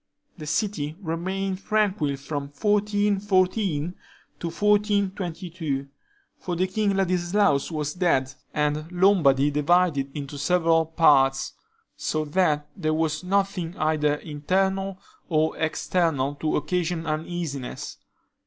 The city remained tranquil from 1414 to 1422; for King Ladislaus was dead, and Lombardy divided into several parts; so that there was nothing either internal or external to occasion uneasiness.